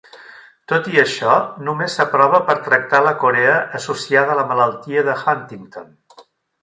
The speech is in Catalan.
Tot i això, només s'aprova per tractar la corea associada a la malaltia de Huntington.